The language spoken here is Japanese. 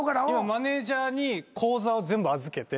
マネジャーに口座を全部預けて。